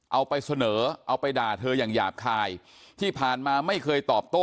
เอาไปเสนอเอาไปด่าเธออย่างหยาบคายที่ผ่านมาไม่เคยตอบโต้